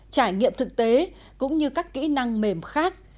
trải nghiệm thực tế cũng như các kỹ năng mềm khác